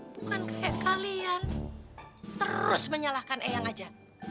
bukan kayak kalian terus menyalahkan eyang aja